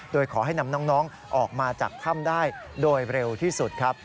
โดยขอให้นำน้องออกมาจากถ้ำได้โดยเร็วที่สุดครับ